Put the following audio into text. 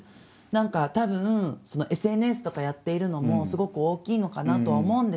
何かたぶんＳＮＳとかやっているのもすごく大きいのかなとは思うんですけど。